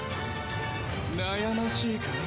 悩ましいかい？